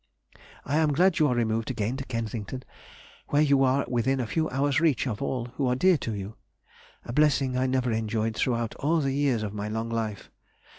I am glad you are removed again to Kensington, where you are within a few hours' reach of all who are dear to you (a blessing I never enjoyed throughout all the years of my long life).